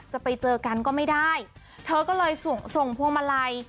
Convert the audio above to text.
จะไปเจอกันก็ไม่ได้เธอก็เลยส่งส่งพวงมาลัย